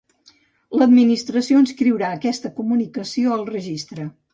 L'administració inscriurà aquesta comunicació al registre.